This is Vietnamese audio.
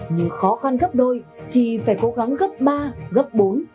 nhưng khó khăn gấp đôi thì phải cố gắng gấp ba gấp bốn